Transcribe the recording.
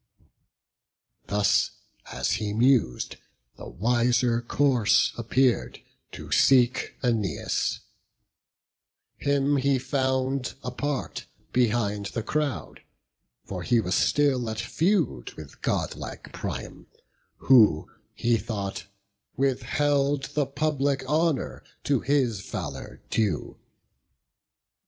Thus as he mus'd, the wiser course appear'd To seek Æneas; him he found apart, Behind the crowd; for he was still at feud With godlike Priam, who, he thought, withheld The public honour to his valour due.